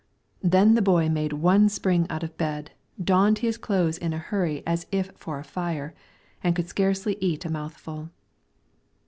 then the boy made one spring out of bed, donned his clothes in a hurry as if for a fire, and could scarcely eat a mouthful.